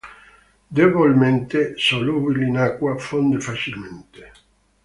Debolmente solubile in acqua; fonde facilmente.